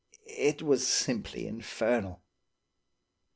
It was simply infernal.